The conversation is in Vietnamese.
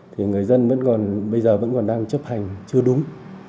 thì người dân bây giờ vẫn còn đang chấp hành chưa đúng